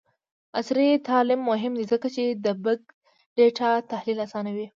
عصري تعلیم مهم دی ځکه چې د بګ ډاټا تحلیل اسانوي.